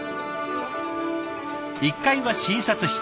１階は診察室。